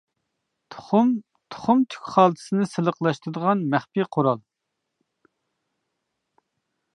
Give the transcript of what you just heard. تۇخۇم تۇخۇم تۈك خالتىسىنى سىلىقلاشتۇرىدىغان «مەخپىي قورال» .